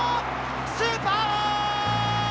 スーパー！